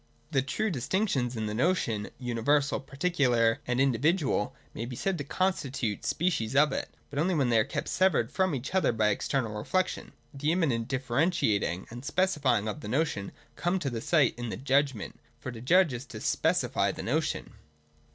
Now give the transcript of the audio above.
The true dis tinctions in the notion, universal, particular, and in i65, i66.] JUDGMENT. 297 dividual, may be said also to constitute species of it, but only when they are kept severed from each other by external reflection. The immanent diiferentiating and specifying of the notion come to sight in the judgment : for to judge is to specify the notion.